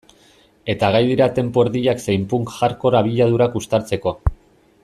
Eta gai dira tempo erdiak zein punk-hardcoreko abiadurak uztartzeko.